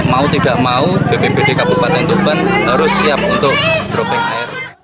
mau tidak mau bpbd kabupaten tuban harus siap untuk dropping air